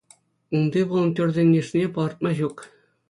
Унти волонтерсен йышне палӑртма ҫук.